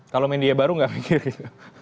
kalau media baru nggak mikir gitu